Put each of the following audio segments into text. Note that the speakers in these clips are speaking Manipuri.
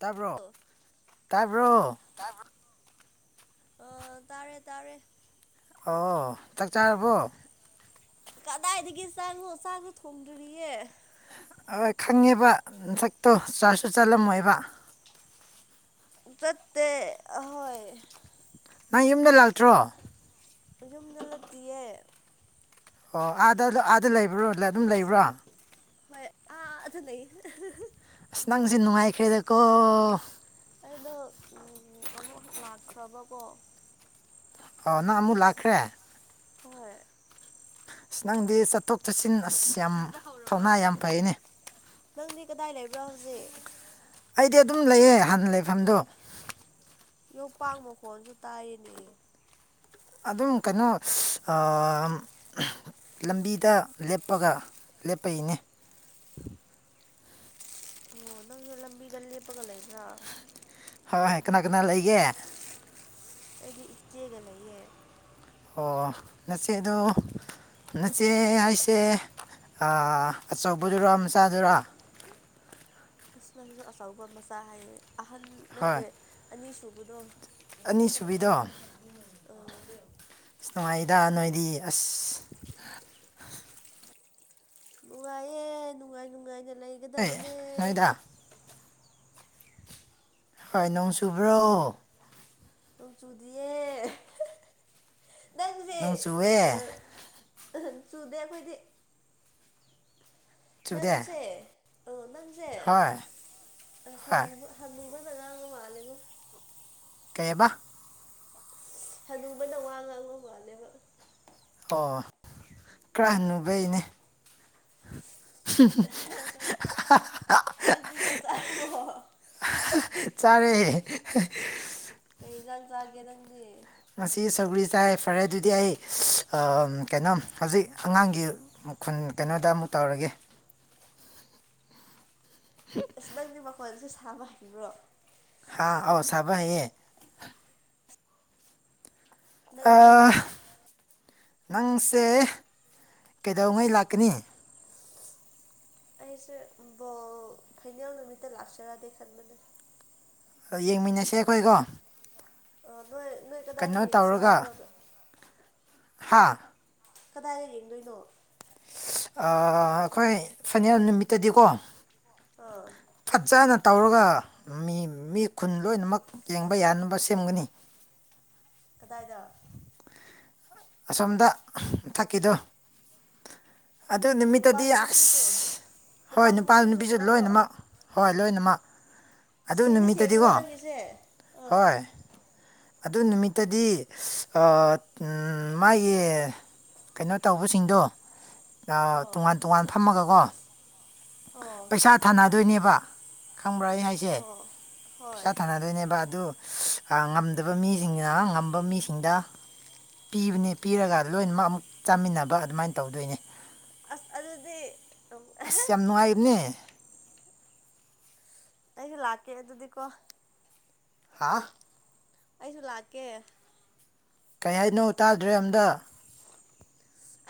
ꯇꯥꯕ꯭ꯔꯣ ꯇꯥꯕ꯭ꯔꯣ [inaudible] ꯑꯣ ꯇꯥꯔꯦ ꯇꯥꯔꯦ꯫ ꯑꯣ ꯆꯥꯛ ꯆꯥꯔꯕꯣ꯫ ꯀꯗꯥꯏꯗꯒꯤ ꯆꯥꯡꯅꯣ ꯆꯥꯛꯖꯨ ꯊꯣꯡꯗ꯭ꯔꯤꯌꯦ꯫ ꯑꯋꯣꯏ ꯈꯪꯉꯦꯕ ꯅꯁꯛꯇꯣ ꯆꯥꯁꯨ ꯆꯠꯂꯝꯃꯣꯏꯕ꯫ ꯆꯠꯇꯦ ꯑ ꯍꯣꯏ ꯅꯪ ꯌꯨꯝꯗ ꯂꯥꯛꯇ꯭ꯔꯣ꯫ ꯑ ꯌꯨꯝꯗ ꯂꯩꯇꯤꯌꯦ꯫ ꯑꯣ ꯑꯥꯗ ꯑꯥꯗ ꯂꯩꯕ꯭ꯔꯣ ꯑꯗꯨꯝ ꯂꯩꯕ꯭ꯔꯣ꯫ ꯍꯣꯏ ꯑꯥꯗ ꯂꯩꯌꯦ [unintelligible] ꯑꯁ ꯅꯪꯁꯦ ꯅꯨꯡꯉꯥꯏꯈ꯭ꯔꯦꯗꯀꯣ꯫ ꯑꯩꯗꯣ ꯎꯝ ꯑꯃꯨꯛ ꯍꯟ ꯂꯥꯛꯈ꯭ꯔꯕꯀꯣ꯫ ꯑꯣ ꯅꯪ ꯑꯃꯨꯛ ꯂꯥꯛꯈ꯭ꯔꯦ꯫ ꯍꯣꯏ ꯑꯁ ꯅꯪꯗꯤ ꯆꯠꯊꯣꯛ ꯆꯠꯁꯤꯟ ꯑꯁ ꯌꯝ ꯊꯧꯅꯥ ꯌꯝ ꯐꯩꯌꯦꯅꯦ꯫ ꯅꯪꯗꯤ ꯀꯗꯥꯏ ꯂꯩꯕ꯭ꯔꯥ ꯍꯧꯖꯤꯛ꯫ ꯑꯩꯗꯤ ꯑꯗꯨꯝ ꯂꯩꯌꯦ ꯍꯥꯟꯅ ꯂꯩꯐꯝꯗꯣ꯫ ꯌꯣꯄꯥꯛ ꯃꯈꯣꯟꯖꯨ ꯇꯥꯏꯌꯦꯅꯦ꯫ ꯑꯗꯨꯝ ꯀꯩꯅꯣ ꯑꯥ ꯎꯝ ꯂꯝꯕꯤꯗ ꯂꯦꯞꯄꯒ ꯂꯦꯞꯄꯩꯅꯦ ꯑꯣ ꯅꯪꯗꯤ ꯂꯝꯕꯤꯗ ꯂꯦꯞꯄꯒ ꯂꯩꯕ꯭ꯔꯥ ꯍꯣꯏ ꯀꯅꯥꯀꯅꯥ ꯂꯩꯒꯦ ꯑꯩꯗꯤ ꯏꯆꯦꯒ ꯂꯩꯌꯦ ꯑꯣ ꯅꯆꯦꯗꯣ ꯅ ꯆꯦ ꯍꯥꯏꯁꯦ ꯑꯥ ꯑꯆꯧꯕꯗꯨꯔꯣ ꯃꯆꯥꯗꯨꯔꯣ ꯑꯁ ꯅꯪꯖꯨ ꯑꯆꯧꯕ ꯃꯆꯥ ꯍꯥꯏꯌꯦ ꯑꯍꯟ ꯍꯣꯏ ꯅꯠꯇꯦ ꯑꯅꯤꯁꯨꯕꯗꯣ ꯑꯅꯤꯁꯨꯕꯤꯗꯣ ꯑ ꯑꯁ ꯅꯨꯡꯉꯥꯏꯗ ꯅꯣꯏꯗꯤ ꯑꯁ ꯅꯨꯡꯉꯥꯏꯌꯦ ꯅꯨꯡꯉꯥꯏ ꯅꯨꯡꯉꯥꯏꯅ ꯍꯣꯏ ꯂꯩꯒꯗꯕꯅꯦ ꯅꯣꯏꯗ ꯍꯣꯏ ꯅꯣꯡ ꯆꯨꯕ꯭ꯔꯣ ꯅꯣꯡ ꯆꯨꯗꯤꯌꯦ ꯅꯪꯖꯦ ꯅꯣꯡ ꯆꯨꯋꯦ ꯑ ꯆꯨꯗꯦ ꯑꯈꯣꯏꯗꯤ ꯆꯨꯗꯦ ꯅꯪꯁꯦ ꯑ ꯅꯪꯁꯦ ꯍꯣꯏ ꯑ ꯍꯣꯏ ꯍꯥꯅꯨꯕ ꯍꯅꯨꯕꯅ ꯉꯥꯡꯕ ꯃꯥꯂꯦꯉꯣ ꯀꯩꯌꯦꯕ ꯍꯅꯨꯕꯅ ꯋꯥ ꯉꯥꯡꯕ ꯃꯥꯜꯂꯦꯕ ꯑꯣ ꯈꯔꯥ ꯍꯅꯨꯕꯩꯅꯦ ꯑꯗꯨ ꯆꯥꯛ ꯆꯥꯔꯕꯣ ꯆꯥꯔꯦ ꯀꯩ ꯏꯟꯖꯥꯡ ꯆꯥꯒꯦ ꯅꯪꯗꯤ ꯉꯁꯤ ꯁꯧꯒ꯭ꯔꯤ ꯆꯥꯏ ꯐꯔꯦ ꯑꯗꯨꯗꯤ ꯑꯩ ꯑ ꯑꯝ ꯀꯩꯅꯣꯝ ꯍꯧꯖꯤꯛ ꯑꯉꯥꯡꯒꯤ ꯃꯈꯨꯟ ꯀꯩꯅꯣꯗ ꯑꯃꯨꯛ ꯇꯧꯔꯒꯦ ꯑꯁ ꯅꯪꯗꯤ ꯃꯈꯣꯟꯖꯦ ꯁꯥꯕ ꯍꯩꯕ꯭ꯔꯣ ꯍꯥꯥ ꯑꯥꯎ ꯁꯥꯕ ꯍꯩꯌꯦ ꯅꯪ ꯅꯪ ꯑꯥ ꯅꯪꯁꯦ ꯀꯩꯗꯧꯉꯩ ꯑꯁ ꯂꯥꯛꯀꯅꯤ ꯑꯩꯁꯦ ꯕꯣꯜ ꯐꯥꯏꯅꯦꯜ ꯅꯨꯃꯤꯠꯇ ꯂꯥꯛꯁꯤꯔꯗꯤ ꯈꯟꯕꯅꯦ ꯌꯦꯡꯃꯤꯟꯅꯁꯦ ꯑꯈꯣꯏꯀꯣ ꯑ ꯅꯣꯏ ꯅꯣꯏ ꯀꯗꯥꯏꯗ ꯌꯦꯡꯁꯦ ꯍꯥꯏꯕ꯭ꯔꯣꯗꯣ ꯍꯥꯥ ꯀꯗꯥꯏꯗ ꯌꯦꯡꯗꯣꯏꯅꯣ ꯑꯩꯈꯣꯏ ꯑꯩꯈꯣꯏ ꯐꯏꯅꯦꯜ ꯅꯨꯃꯤꯠꯇꯗꯤꯀꯣ ꯑꯥ ꯐꯖꯅ ꯇꯧꯔꯒ ꯃꯤ ꯃꯤ ꯈꯨꯟ ꯂꯣꯏꯅꯃꯛ ꯌꯦꯡꯕ ꯌꯥꯅꯕ ꯁꯦꯝꯒꯅꯤ ꯀꯗꯥꯏꯗ ꯑꯁꯣꯝꯗ ꯊꯛꯀꯤꯗꯣ ꯑꯗꯨ ꯑꯣ ꯅꯨꯃꯤꯠꯇꯨꯗꯤ ꯅꯨꯄꯥꯁꯨ ꯑꯁ ꯅꯨꯄꯤꯁꯨ ꯍꯣꯏ ꯅꯨꯄꯥꯁꯨ ꯅꯨꯄꯥ ꯅꯨꯄꯤꯁꯨ ꯄꯨꯂꯞꯔꯣ ꯂꯣꯏꯅꯃꯛ ꯍꯣꯏ ꯂꯣꯏꯅꯃꯛ ꯑꯗꯨ ꯁꯦꯡꯗꯤ ꯁꯦꯡꯕꯔꯣ ꯅꯨꯃꯤꯠꯇꯗꯤꯀꯣ ꯅꯪꯒꯤꯁꯦ ꯑꯥ ꯍꯣꯏ ꯑꯗꯨ ꯅꯨꯃꯤꯠꯇꯨꯗꯤꯑꯥ ꯎꯝ ꯃꯥꯒꯤ ꯀꯩꯅꯣ ꯇꯧꯕꯁꯤꯡꯗꯣ ꯑꯣ ꯇꯣꯉꯥꯟ ꯇꯣꯉꯥꯟ ꯐꯝꯃꯒꯀꯣ ꯑꯣ ꯄꯩꯁꯥ ꯊꯥꯅꯗꯣꯏꯅꯦꯕ ꯈꯪꯕ꯭ꯔꯥ ꯑꯩ ꯍꯥꯏꯁꯦ ꯑꯣ ꯍꯣꯏ ꯄꯩꯁꯥ ꯊꯥꯅꯗꯣꯏꯅꯦꯕ ꯑꯗꯨ ꯉꯝꯗꯕ ꯃꯤꯁꯤꯡꯁꯤꯅ ꯉꯝꯕ ꯃꯤꯁꯤꯡꯗ ꯄꯤꯕꯅꯦ ꯄꯤꯔꯒ ꯂꯣꯏꯅꯃꯛ ꯑꯃꯨꯛ ꯆꯥꯃꯤꯟꯅꯕ ꯑꯗꯨꯃꯥꯏꯅ ꯇꯧꯗꯣꯏꯅꯦ ꯑꯁ ꯑꯗꯨꯗꯤ ꯑꯁ ꯌꯥꯝ ꯅꯨꯡꯉꯥꯏꯕꯅꯦ ꯑꯩꯁꯨ ꯂꯥꯛꯀꯦ ꯑꯗꯨꯗꯤꯀꯣ ꯂꯥꯛꯑꯣ ꯑꯩꯁꯨ ꯂꯥꯛꯀꯦ ꯀꯩ ꯍꯥꯏꯅꯣ ꯇꯥꯗ꯭ꯔꯦ ꯑꯝꯇ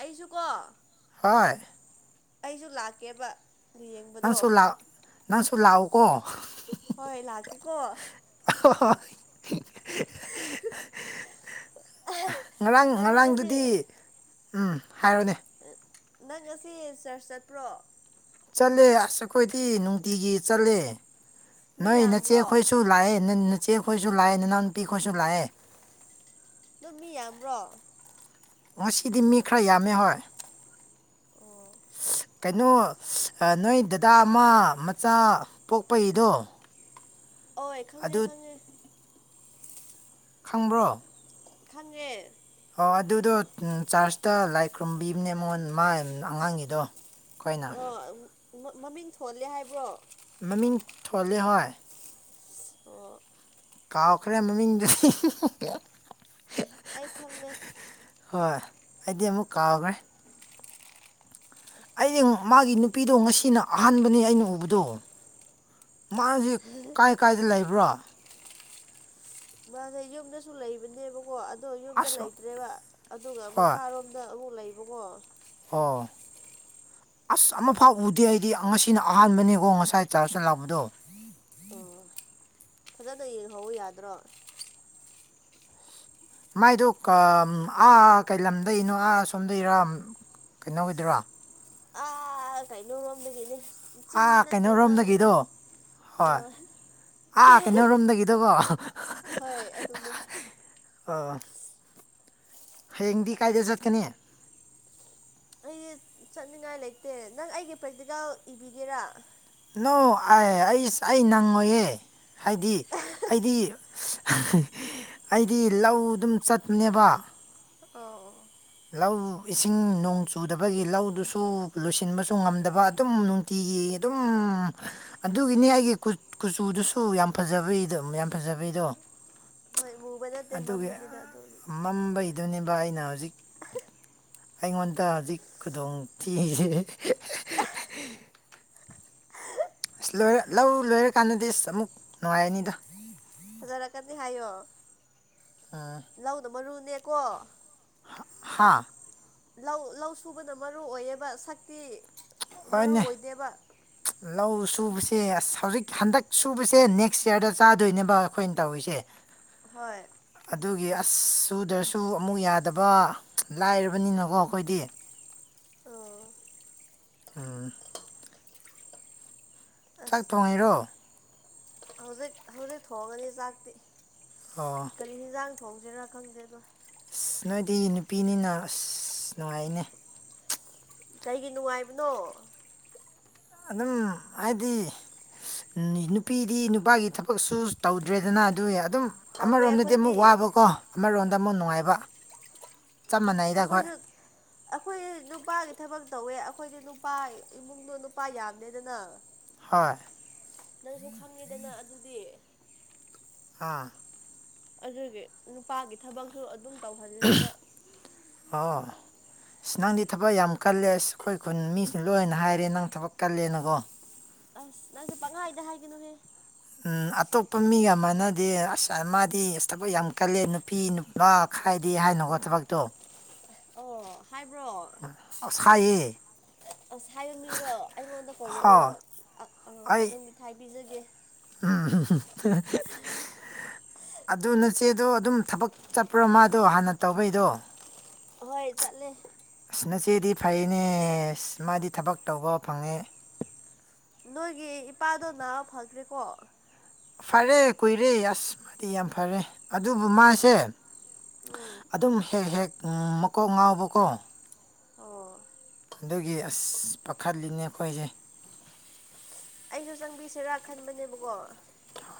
ꯑꯩꯁꯨ ꯀꯣ ꯍꯣꯏ ꯑꯩꯁꯨ ꯂꯥꯛꯀꯦꯕ ꯌꯦꯡꯕꯗꯣ ꯅꯪꯁꯨ ꯂꯥꯛ ꯅꯪꯁꯨ ꯂꯥꯛꯎꯀꯣ ꯍꯣꯏ ꯂꯥꯛꯀꯦꯀꯣ ꯑꯣꯏ [unintelligible] [unintelligible] ꯉꯔꯥꯡ ꯅꯪꯗꯤ ꯉꯁꯤ ꯉꯔꯥꯡꯗꯨꯗꯤ ꯎꯝ ꯍꯥꯏꯔꯣꯅꯦ ꯅꯪ ꯉꯁꯤ ꯆꯔꯆ ꯆꯠꯄ꯭ꯔꯣ ꯆꯠꯂꯦ ꯑꯁ ꯑꯩꯈꯣꯏꯗꯤ ꯅꯨꯡꯇꯤꯒꯤ ꯆꯠꯂꯦ ꯃꯤ ꯅꯣꯏ ꯅꯆꯦ ꯌꯥꯝꯕ꯭ꯔꯣ ꯑꯩꯈꯣꯏꯁꯨ ꯂꯥꯛꯑꯦ ꯅꯆꯦ ꯑꯩꯈꯣꯏꯁꯨ ꯂꯥꯛꯑꯦ ꯅꯅꯥꯎꯅ ꯅꯨꯄꯤ ꯈꯣꯏꯁꯨ ꯂꯥꯛꯑꯦ ꯑꯗꯨ ꯃꯤ ꯌꯥꯝꯕ꯭ꯔꯣ ꯉꯁꯤꯗꯤ ꯃꯤ ꯈꯔ ꯌꯥꯝꯃꯦ ꯍꯣꯏ ꯑꯣ ꯀꯩꯅꯣ ꯅꯣꯏ ꯗꯗꯥ ꯑꯃ ꯃꯆꯥ ꯄꯣꯛꯄꯩꯗꯣ ꯍꯣꯢ ꯈꯪꯉꯦ ꯈꯪꯉꯦ ꯈꯪꯕ꯭ꯔꯣ ꯈꯪꯉꯦ ꯑꯣ ꯑꯗꯨꯗꯣ ꯆꯥꯔꯖꯇ ꯂꯥꯏ ꯈꯨꯔꯨꯝꯕꯤꯕꯅꯦ ꯃꯣꯟ ꯃꯥ ꯑꯉꯥꯡꯒꯤꯗꯣ ꯑꯩꯈꯣꯏꯅ ꯑꯣ ꯃꯃꯤꯡ ꯊꯣꯜꯂꯦ ꯍꯥꯏꯕ꯭ꯔꯣ ꯃꯃꯤꯡ ꯊꯣꯜꯂꯦ ꯍꯣꯏ ꯑꯣ ꯀꯥꯎꯈ꯭ꯔꯦ ꯃꯃꯤꯡꯗꯨ ꯑꯩ ꯈꯪꯉꯦ ꯍꯣꯏ ꯑꯩꯗꯤ ꯑꯃꯨꯛ ꯀꯥꯎꯈ꯭ꯔꯦ ꯑꯩꯅ ꯃꯥꯒꯤ ꯅꯨꯄꯤꯗꯣ ꯉꯁꯤꯅ ꯑꯍꯥꯟꯕꯅꯦ ꯑꯩꯅ ꯎꯕꯗꯣ ꯃꯥꯒꯤ ꯀꯥꯏ ꯀꯥꯏꯗ ꯂꯩꯕ꯭ꯔꯣ ꯃꯥꯁꯦ ꯌꯨꯝꯗꯁꯨ ꯂꯩꯕꯅꯦꯕꯀꯣ ꯑꯗꯣ ꯌꯨꯝꯗ ꯑꯁ ꯂꯩꯇ꯭ꯔꯦꯕ ꯑꯗꯨꯒ ꯍꯣꯏ ꯃꯈꯥꯔꯣꯝꯗ ꯑꯃꯨꯛ ꯂꯩꯕꯉꯣ ꯑꯣ ꯑꯁ ꯑꯃꯐꯥꯎ ꯎꯗꯦ ꯑꯩꯗꯤ ꯉꯁꯤꯅ ꯑꯍꯥꯟꯕꯅꯤꯀꯣ ꯉꯁꯥꯏ ꯆꯥꯔꯁ ꯂꯥꯛꯄꯗꯣ ꯑꯣ ꯐꯖꯅ ꯌꯦꯡꯍꯧ ꯌꯥꯗ꯭ꯔꯣ ꯃꯥꯏꯗꯣ ꯑꯥ ꯀꯩ ꯂꯝꯗꯩꯅꯣ ꯑꯥ ꯁꯣꯝꯗꯔꯥ ꯀꯩꯅꯣꯒꯤꯗꯔꯥ ꯑꯥ ꯀꯩꯅꯣꯔꯣꯝꯗꯒꯤꯅꯦ ꯆꯤꯡꯗꯤ ꯑꯥ ꯅꯠꯇ꯭ꯔꯦ ꯃꯥ ꯂꯩꯕꯗꯣ ꯀꯩꯅꯣꯔꯣꯝꯗꯒꯤꯗꯣ ꯍꯣꯏ ꯑꯣ ꯑꯥ ꯀꯩꯅꯣꯔꯣꯝꯗꯒꯤꯗꯣꯀꯣ ꯍꯣꯏ ꯑꯗꯨꯅꯦ ꯑ ꯍꯌꯦꯡꯗꯤ ꯀꯥꯏꯗ ꯆꯠꯀꯅꯤ ꯑꯩ ꯆꯠꯅꯤꯡꯉꯥꯏ ꯂꯩꯇꯦ ꯅꯪ ꯑꯩꯒꯤ ꯄ꯭ꯔꯦꯛꯇꯤꯀꯦꯜ ꯏꯕꯤꯒꯦꯔꯥ ꯅꯣ ꯑꯩ ꯑꯩ ꯑꯩ ꯅꯪꯉꯣꯏꯌꯦ ꯍꯥꯏꯗꯤ ꯑꯩꯗꯤ ꯑꯩꯗꯤ ꯂꯧ ꯑꯗꯨꯝ ꯆꯠꯄꯅꯦꯕ ꯑꯣ ꯑꯣ ꯂꯧ ꯏꯁꯤꯡ ꯅꯣꯡ ꯆꯨꯗꯕꯒꯤ ꯂꯧꯗꯨꯁꯨ ꯂꯣꯏꯁꯤꯟꯕꯁꯨ ꯉꯝꯗꯕ ꯑꯗꯨꯝ ꯅꯨꯡ ꯅꯨꯡꯇꯤꯒꯤ ꯑꯗꯨꯝ ꯑꯗꯨꯒꯤꯅꯦ ꯑꯩꯒꯤ ꯀꯨꯠ ꯀꯨꯆꯨꯗꯨꯁꯨ ꯌꯥꯝ ꯐꯖꯕꯩꯗꯨ ꯌꯥꯝ ꯐꯖꯕꯩꯗꯣ ꯍꯣꯏ ꯃꯨꯕ ꯅꯠꯇꯦ ꯑꯗꯨꯒꯤ ꯃꯝꯕꯅꯤꯗ ꯑꯗꯨ ꯃꯝꯕꯩꯗꯨꯅꯦꯕ ꯑꯩꯅ ꯍꯧꯖꯤꯛ ꯑꯩꯉꯣꯟꯗ ꯍꯧꯖꯤꯛ ꯈꯨꯗꯣꯡꯊꯤꯔꯤꯁꯦ ꯑꯁ ꯂꯣꯏꯔ ꯂꯧꯔ ꯂꯣꯏꯔꯀꯥꯟꯗꯗꯤ ꯑꯁ ꯑꯃꯨꯛ ꯅꯨꯡꯉꯥꯏꯔꯅꯤꯗ ꯐꯖꯔꯛꯀꯅꯤ ꯍꯥꯏꯌꯣ ꯑꯥ ꯂꯧꯅ ꯃꯔꯨꯅꯦꯀꯣ ꯍꯥꯥ ꯂꯧ ꯂꯧ ꯁꯨꯕꯅ ꯃꯔꯨ ꯑꯣꯏꯌꯦꯕ ꯁꯛꯇꯤ ꯃꯔꯨ ꯍꯣꯏꯅꯦ ꯑꯣꯏꯗꯦꯕ ꯂꯧ ꯁꯨꯕꯁꯦ ꯑꯁ ꯍꯧꯖꯤꯛ ꯍꯟꯗꯛ ꯁꯨꯕꯁꯦ ꯅꯦꯛꯁ ꯏꯌꯔꯗ ꯆꯥꯗꯣꯏꯅꯦꯕ ꯑꯩꯈꯣꯏꯅ ꯇꯧꯔꯤꯁꯦ ꯍꯣꯏ ꯑꯗꯨꯒꯤ ꯑꯁ ꯁꯨꯗ꯭ꯔꯁꯨ ꯑꯃꯨꯛ ꯌꯥꯗꯕ ꯂꯥꯏꯔꯕꯅꯤꯅꯀꯣ ꯑꯩꯈꯣꯏꯗꯤ ꯑꯣ ꯎꯝ ꯆꯥꯛ ꯑꯁ ꯊꯣꯡꯉꯤꯔꯣ ꯍꯧꯖꯤꯛ ꯍꯧꯖꯤꯛ ꯊꯣꯛꯉꯅꯤ ꯆꯥꯛꯇꯤ ꯑꯣ ꯀꯔꯤ ꯏꯟꯖꯥꯡ ꯊꯣꯡꯁꯤꯔꯥ ꯈꯪꯗꯦ ꯑꯗꯣ ꯑꯁ ꯅꯣꯏꯗꯤ ꯅꯨꯄꯤꯅꯤꯅ ꯑꯁ ꯅꯨꯡꯉꯥꯏꯅꯦ ꯀꯩꯒꯤ ꯅꯨꯡꯉꯥꯏꯕꯅꯣ ꯑꯗꯨꯝ ꯍꯥꯏꯗꯤ ꯅꯨꯄꯤꯗꯤ ꯅꯨꯄꯥꯒꯤ ꯊꯕꯛꯁꯨ ꯇꯧꯗ꯭ꯔꯦꯗꯅ ꯑꯗꯨꯏ ꯑꯗꯨꯝ ꯇꯧꯋꯦ ꯑꯃꯔꯣꯝꯗꯗꯤ ꯑꯃꯨꯛ ꯑꯩꯈꯣꯏꯗꯤ ꯋꯥꯕꯀꯣ ꯑꯃꯔꯣꯝꯗ ꯑꯃꯨꯛ ꯅꯨꯡꯉꯥꯏꯕ ꯆꯞ ꯃꯥꯟꯅꯩꯗ ꯑꯩꯈꯣꯏ ꯑꯩꯈꯣꯏꯁꯨ ꯑꯩꯈꯣꯏ ꯅꯨꯄꯥꯒꯤ ꯊꯕꯛ ꯇꯧꯋꯦ ꯑꯩꯈꯣꯏꯗꯤ ꯅꯨꯄꯥ ꯏꯃꯨꯡꯗꯣ ꯅꯨꯄꯥ ꯌꯥꯝꯃꯦꯗꯅ ꯍꯣꯏ ꯅꯪꯁꯨ ꯈꯪꯉꯦꯗꯅ ꯑꯗꯨꯗꯤ ꯍꯥ ꯑꯗꯨꯒꯤ ꯅꯨꯄꯥꯒꯤ ꯊꯕꯛꯁꯨ ꯑꯗꯨꯝ ꯇꯧꯍꯟꯂꯦꯕ ꯑꯣ ꯑꯁ ꯅꯪꯗꯤ ꯊꯕꯛ ꯌꯥꯝ ꯀꯜꯂꯦ ꯑꯁ ꯑꯩꯈꯣꯏ ꯈꯨꯟ ꯃꯤꯁꯤꯅ ꯂꯣꯏꯅ ꯍꯥꯏꯔꯦ ꯅꯪ ꯊꯕꯛ ꯀꯜꯂꯦꯅꯀꯣ ꯑꯁ ꯅꯪꯁꯨ ꯄꯪꯍꯥꯏꯗ ꯍꯥꯏꯒꯅꯨꯍꯦ ꯎꯝ ꯑꯇꯣꯞꯄ ꯃꯤꯒ ꯃꯥꯟꯅꯗꯦ ꯑꯁ ꯃꯥꯗꯤ ꯊꯕꯛ ꯌꯥꯝ ꯀꯜꯂꯦ ꯅꯨꯄꯤ ꯅ ꯈꯥꯏꯗꯤ ꯍꯥꯏꯅꯨꯀꯣ ꯊꯕꯛꯇꯣ ꯑꯣ ꯍꯥꯏꯕ꯭ꯔꯣ ꯑꯁ ꯍꯥꯏꯌꯦ ꯑꯁ ꯍꯥꯏꯕ ꯃꯤꯗꯣ ꯑꯩꯉꯣꯟꯗ ꯍꯣ ꯀꯧꯔꯛꯑꯣ ꯀꯩꯅꯣ ꯑꯩ ꯃꯤ ꯊꯥꯏ ꯄꯤꯖꯒꯦ ꯎꯝ ꯑꯗꯨ ꯅꯆꯦꯗꯣ ꯑꯗꯨꯝ ꯊꯕꯛ ꯆꯠꯄ꯭ꯔꯣ ꯃꯥꯗꯣ ꯍꯥꯟꯅ ꯇꯧꯕꯩꯗꯣ ꯍꯣꯏ ꯆꯠꯂꯦ ꯑꯅꯆꯦꯗꯤ ꯐꯩꯅꯦ ꯃꯥꯗꯤ ꯊꯕꯛ ꯇꯧꯕ ꯐꯪꯉꯦ ꯅꯣꯏꯒꯤ ꯏꯄꯥꯗꯣ ꯅꯥꯕ ꯐꯈ꯭ꯔꯦꯀꯣ ꯐꯔꯦ ꯀꯨꯏꯔꯦ ꯑꯁ ꯃꯥꯗꯤ ꯌꯥꯝ ꯐꯔꯦ ꯑꯗꯨꯕꯨ ꯃꯥꯁꯦ ꯎꯝ ꯑꯗꯨꯝ ꯍꯦꯛ ꯍꯦꯛ ꯃꯀꯣꯛ ꯉꯥꯎꯕꯀꯣ ꯑꯣ ꯑꯗꯨꯒꯤ ꯑꯁ ꯄꯥꯈꯠꯂꯤꯅꯦ ꯑꯩꯈꯣꯏꯁꯦ ꯑꯩꯁꯨ ꯆꯪꯕꯤꯁꯤꯔꯥ ꯈꯟꯕꯅꯦꯕꯀꯣ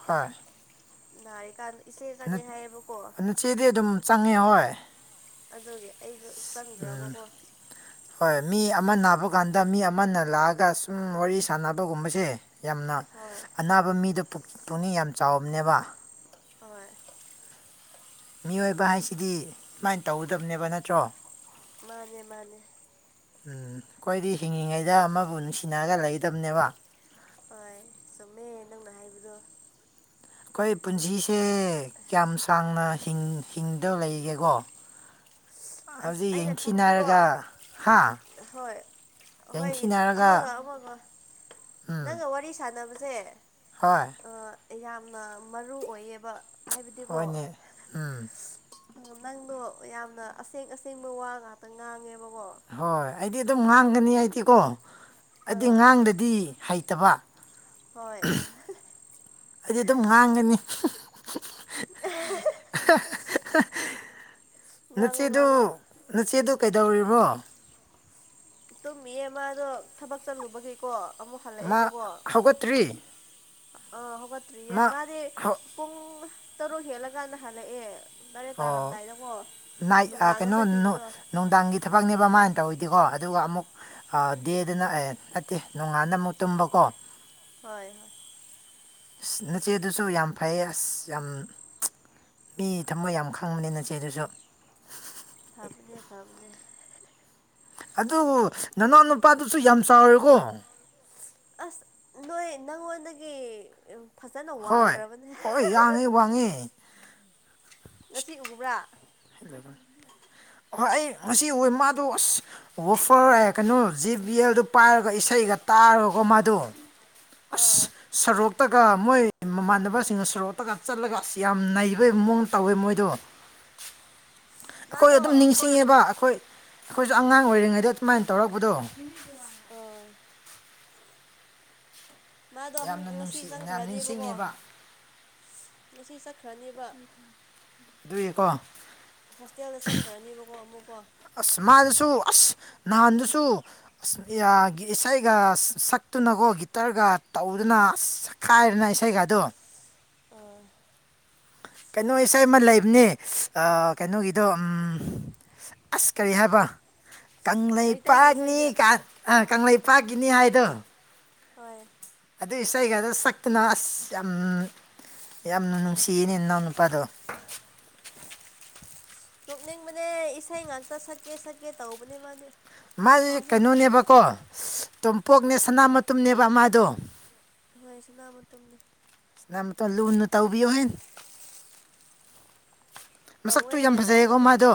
ꯍꯣꯏ ꯅꯥꯔꯤꯀꯥꯟꯗ ꯏꯆꯦ ꯆꯪꯉꯦ ꯍꯥꯏꯌꯦꯕꯀꯣ ꯏꯆꯦꯗꯤ ꯑꯗꯨꯝ ꯆꯪꯉꯦ ꯍꯣꯏ ꯑꯗꯨꯒꯤ ꯑꯩꯁꯨ ꯎꯝ ꯆꯪꯗ꯭ꯔꯕꯀꯣ ꯍꯣꯏ ꯃꯤ ꯑꯃ ꯅꯥꯕ ꯀꯥꯟꯗ ꯃꯤ ꯑꯃꯅ ꯂꯥꯛꯑꯒ ꯁꯨꯝ ꯋꯥꯔꯤ ꯁꯥꯟꯅꯕꯒꯨꯝꯕꯁꯦ ꯌꯥꯝꯅ ꯍꯣꯏ ꯑꯅꯥꯕ ꯃꯤꯗ ꯄꯨꯛꯅꯤꯡ ꯌꯥꯝ ꯆꯥꯎꯕꯅꯦꯕ ꯑꯣꯏ ꯃꯤꯑꯣꯏꯕ ꯍꯥꯏꯁꯤꯗꯤ ꯁꯨꯃꯥꯏꯅ ꯇꯧꯒꯗꯝꯅꯦꯕ ꯅꯠꯇ꯭ꯔꯣ ꯃꯥꯅꯦ ꯃꯥꯅꯦ ꯎꯝ ꯑꯩꯈꯣꯏꯗꯤ ꯍꯤꯡꯉꯤꯉꯩꯗ ꯑꯃꯕꯨ ꯅꯨꯡꯁꯤꯅꯔꯒ ꯂꯩꯗꯝꯕꯅꯦꯕ ꯍꯣꯏ ꯆꯨꯝꯃꯦ ꯅꯪꯅ ꯍꯥꯏꯕꯗꯣ ꯑꯩꯈꯣꯏ ꯄꯨꯟꯁꯤꯁꯦ ꯀꯌꯥꯝ ꯁꯥꯡꯅ ꯍꯤꯡꯗꯕ ꯂꯩꯒꯦꯀꯣ ꯑꯁ ꯍꯧꯖꯤꯛ ꯑꯩꯅ ꯈꯪꯕꯗꯤꯕꯣ ꯌꯦꯡꯊꯤꯅꯔꯒ ꯍꯥ ꯍꯣꯏ ꯍꯣꯏ ꯌꯦꯡꯊꯤꯅꯔꯒ ꯑꯃꯒ ꯑꯃꯒ ꯎꯝ ꯅꯪꯒ ꯋꯥꯔꯤ ꯁꯥꯟꯅꯕꯁꯦ ꯍꯣꯏ ꯌꯥꯝꯅ ꯃꯔꯨ ꯑꯣꯏꯌꯦꯕ ꯍꯥꯏꯕꯗꯤꯀꯣ ꯍꯣꯏꯅꯦ ꯎꯝ ꯅꯪꯗꯣ ꯌꯥꯝꯅ ꯑꯁꯦꯡ ꯑꯁꯦꯡꯕ ꯋꯥ ꯉꯥꯛꯇ ꯉꯥꯡꯉꯦꯕꯀꯣ ꯍꯣꯏ ꯑꯩꯗꯤ ꯑꯗꯨꯝ ꯉꯥꯡꯒꯅꯤ ꯑꯩꯗꯤꯀꯣ ꯍꯥꯏꯗꯤ ꯑꯥ ꯉꯥꯡꯗꯗꯤ ꯍꯩꯇꯕ ꯍꯣꯏ ꯍꯣꯏ ꯑꯩꯗꯤ ꯑꯗꯨꯝ ꯉꯥꯡꯒꯅꯤ ꯑ [unintelligible] ꯉꯥꯡꯉꯣ ꯅꯆꯦꯗꯨ ꯉꯥꯡꯉꯣ ꯅꯆꯦꯗꯨ ꯀꯩꯗꯧꯔꯤꯕꯣ ꯇꯨꯝꯃꯤꯌꯦ ꯃꯥꯗꯣ ꯊꯕꯛ ꯆꯠꯂꯨꯕꯒꯤꯀꯣ ꯑꯃꯨꯛ ꯃꯥ ꯍꯜꯂꯛꯑꯦꯕꯀꯣ ꯍꯧꯒꯠꯇ꯭ꯔꯤ ꯑꯥ ꯍꯧꯒꯠꯇ꯭ꯔꯤꯌꯦ ꯃꯥ ꯃꯥꯗꯤ ꯄꯨꯡ ꯇꯔꯨꯛ ꯍꯦꯜꯂꯀꯥꯟꯗ ꯍꯜꯂꯛꯑꯦ ꯇꯔꯦꯠ ꯑꯣ ꯇꯥꯔꯝꯗꯥꯏꯗꯀꯣ ꯅꯥꯏꯠ ꯅꯨꯡꯗꯥꯡꯅ ꯀꯩꯅꯣ ꯆꯠꯈꯤꯕꯗꯣ ꯅꯨꯡꯗꯥꯡꯒꯤ ꯊꯕꯛꯅꯦꯕ ꯃꯥꯅ ꯇꯧꯋꯤꯗꯤꯀꯣ ꯑꯗꯨꯒ ꯑꯃꯨꯛ ꯑ ꯗꯦ ꯑꯗꯨꯅ ꯑꯦ ꯅꯠꯇꯦ ꯅꯣꯡꯉꯥꯟꯗ ꯑꯃꯨꯛ ꯇꯨꯝꯕꯀꯣ ꯍꯣꯏ ꯍꯣꯏ ꯑꯁ ꯅꯆꯦꯗꯨꯁꯨ ꯌꯥꯝ ꯐꯩꯌꯦ ꯑꯁ ꯌꯥꯝ ꯃꯤ ꯊꯃꫭꯏ ꯌꯥꯝ ꯈꯪꯕꯅꯤ ꯅꯆꯦꯗꯨꯁꯨ ꯐꯕꯅꯦ ꯐꯕꯅꯦ ꯑꯗꯨ ꯅꯅꯥꯎ ꯅꯨꯄꯥꯗꯨꯁꯨ ꯌꯥꯝ ꯆꯥꯎꯔꯦꯀꯣ ꯑꯁ ꯅꯣꯏ ꯅꯪꯉꯣꯟꯗꯒꯤ ꯐꯖꯅ ꯋꯥꯡꯈ꯭ꯔꯕꯅꯤ ꯑꯩ ꯋꯥꯡꯉꯦ ꯉꯁꯤ ꯎꯕ꯭ꯔꯥ ꯍꯣꯏ ꯑꯩ ꯉꯁꯤ ꯎꯏ ꯃꯥꯗꯣ ꯑꯁ ꯋꯥꯐꯔ ꯑꯦ ꯀꯩꯅꯣ ꯖꯤ ꯕꯤ ꯑꯦꯜꯗꯨ ꯄꯥꯏꯔꯒ ꯏꯁꯩꯒ ꯇꯥꯔꯀꯣ ꯃꯥꯗꯨ ꯑꯥ ꯁꯣꯔꯣꯛꯇꯒ ꯃꯣꯏ ꯃꯃꯥꯟꯅꯕꯁꯤꯡꯅ ꯁꯣꯔꯣꯛꯇꯒ ꯆꯠꯂꯒ ꯑꯁ ꯌꯥꯝ ꯅꯩꯕꯩ ꯃꯑꯣꯡ ꯇꯧꯋꯦ ꯃꯣꯏꯗꯣ ꯑꯩꯈꯣꯏ ꯑꯗꯨꯝ ꯃꯥꯗꯣ ꯅꯤꯡꯁꯤꯡꯉꯦꯕ ꯑꯩꯈꯣꯏ ꯑꯩꯈꯣꯏꯁꯨ ꯑꯉꯥꯡ ꯑꯣꯏꯔꯤꯉꯩꯗ ꯑꯗꯨꯃꯥꯏꯅ ꯇꯧꯔꯛꯄꯗꯣ ꯑꯣ ꯃꯥꯗꯣ ꯌꯥꯝꯅ ꯅꯨꯡꯁꯤ ꯉꯁꯤ ꯌꯥꯝ ꯆꯪꯈ꯭ꯔꯅꯦꯕꯀꯣ ꯅꯤꯡꯁꯤꯡꯉꯦꯕ ꯉꯁꯤ ꯆꯪ ꯗꯨꯗꯤꯀꯣ ꯍꯣꯁꯇꯦꯜꯗ ꯆꯪꯈ꯭ꯔꯅꯦꯕꯀꯣ ꯑꯃꯨꯛꯀꯣ ꯑꯁ ꯃꯥꯗꯨꯁꯨ ꯑꯁ ꯅꯍꯥꯟꯗꯨꯁꯨ ꯑ ꯏꯁꯩꯒ ꯁꯛꯇꯨꯅꯀꯣ ꯒꯤꯇꯔꯒ ꯇꯧꯗꯨꯅ ꯈꯥꯏꯔꯅ ꯏꯁꯩꯒꯥꯗꯣ ꯑꯥ ꯀꯩꯅꯣ ꯏꯁꯩ ꯑꯃ ꯂꯩꯕꯅꯦ ꯀꯩꯅꯣꯒꯤꯗꯣ ꯑꯁ ꯀꯔꯤ ꯍꯥꯏꯕ ꯃꯩꯇꯩꯒꯤ ꯀꯪꯂꯩꯄꯥꯛꯅꯤ ꯏꯁꯩꯗꯨꯔꯥ ꯑ ꯀꯪꯂꯩꯄꯥꯛꯀꯤꯅꯤ ꯍꯥꯏꯗꯣ ꯍꯣꯏ ꯑꯗꯨ ꯏꯁꯩꯒꯗ ꯁꯛꯇꯨꯅ ꯑꯁ ꯌꯥꯝ ꯌꯥꯝꯅ ꯅꯨꯡꯁꯤꯌꯦꯅꯦ ꯏꯅꯥꯎ ꯅꯨꯄꯥꯗꯣ ꯌꯣꯛꯅꯤꯡꯕꯅꯦ ꯏꯁꯩ ꯉꯥꯛꯇ ꯁꯛꯀꯦ ꯁꯛꯀꯦ ꯇꯧꯕꯅꯦ ꯃꯥꯗꯤ ꯃꯥꯁꯤꯀꯩꯅꯣꯅꯦꯕꯀꯣ ꯇꯣꯝꯄꯣꯛꯅꯦ ꯁꯅꯥ ꯃꯇꯨꯝꯅꯦꯕ ꯃꯥꯗꯣ ꯍꯣꯏ ꯁꯥꯅꯥ ꯃꯇꯨꯝꯅꯦ ꯁꯥꯅꯥꯃꯇꯩꯝ ꯂꯨꯅ ꯇꯧꯕꯤꯌꯣ ꯍꯦ ꯃꯁꯛꯇꯨ ꯌꯥꯝ ꯐꯖꯩꯌꯦꯀꯣ ꯃꯥꯗꯣ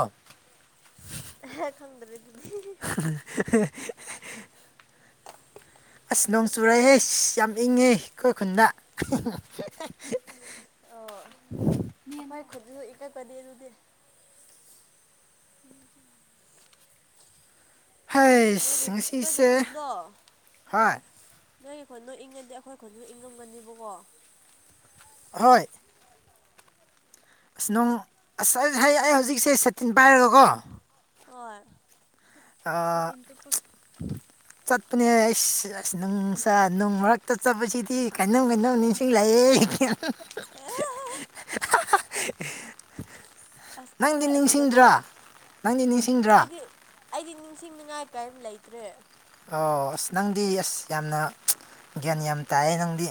ꯈꯪꯗꯔꯦ ꯑꯗꯨꯗꯤ [inaudible] ꯑꯁ ꯅꯣꯡ ꯆꯨꯔꯛꯑꯦꯍꯦ ꯑꯁ ꯌꯥꯝ ꯏꯪꯉꯦ ꯑꯩꯈꯣꯏ ꯈꯨꯟꯗ ꯑꯣ ꯑꯈꯣꯏ ꯈꯨꯟꯁꯨ ꯏꯡꯉꯝꯃꯅꯤ ꯑꯗꯨꯗꯤ ꯅꯣꯏꯒꯤ ꯍꯩꯁ ꯅꯣꯏꯒꯤ ꯉꯁꯤꯁꯦ ꯈꯨꯟꯗꯣ ꯍꯣꯏ ꯅꯣꯏꯒꯤꯈꯨꯟꯗꯣ ꯏꯪꯉꯗꯤ ꯑꯩꯈꯣꯏꯈꯨꯟꯁꯨ ꯏꯪꯉꯝꯒꯅꯤꯕꯀꯣ ꯍꯣꯏ ꯑꯁ ꯅꯨꯡ ꯑꯁ ꯑꯩ ꯍꯧꯖꯤꯛꯁꯦ ꯁꯇꯤꯟ ꯄꯥꯏꯔꯒꯀꯣ ꯍꯣꯏ ꯑꯥ ꯆꯠꯄꯅꯦ ꯑꯩꯁ ꯑꯁ ꯅꯨꯡꯁꯥ ꯅꯨꯡ ꯃꯔꯛꯇ ꯆꯠꯄꯕꯁꯤꯗꯤ ꯀꯩꯅꯣꯝ ꯀꯩꯅꯣꯝꯅꯤꯡꯁꯤꯡꯂꯛꯑꯦꯍꯦ [unintelligible] ꯑꯦ ꯑꯁ ꯅꯪꯗꯤ ꯑꯩꯈꯣꯏ ꯑꯁꯤꯗꯀꯣ ꯅꯤꯡꯁꯤꯡꯗ꯭ꯔꯣ ꯅꯪꯗꯤ ꯅꯤꯡꯁꯤꯡꯗ꯭ꯔꯣ ꯑꯩꯗꯤ ꯑꯩꯗꯤ ꯅꯤꯡꯁꯤꯡꯅꯤꯉꯥꯏ ꯀꯔꯤꯝ ꯂꯩꯇ꯭ꯔꯦ ꯑꯣ ꯑꯁ ꯅꯪꯗꯤ ꯑꯁ ꯌꯥꯝꯅ ꯒ꯭ꯌꯥꯟ ꯌꯥꯝ ꯇꯥꯏꯌꯦ ꯅꯪꯗꯤ